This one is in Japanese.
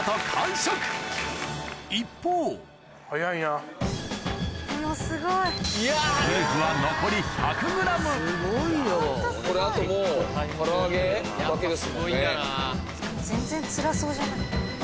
しかも全然つらそうじゃない。